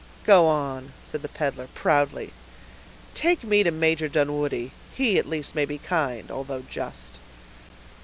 "Go on," said the peddler, proudly; "take me to Major Dunwoodie; he, at least, may be kind, although just."